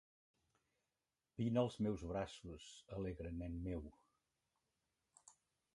Vine als meus braços, alegre nen meu!